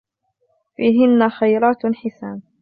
فيهن خيرات حسان